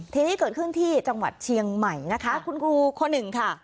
ทีนี้เกิดขึ้นที่จังหวัดเชียงใหม่นะคะคุณครูคนหนึ่งค่ะ